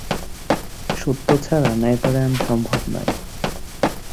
সত্য ছাড়া ন্যায়পরায়ণতা সম্ভব না।